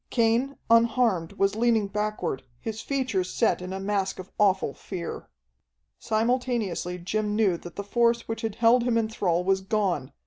Cain, unharmed, was leaning backward, his features set in a mask of awful fear. Simultaneously Jim knew that the force which had held him in thrall was gone.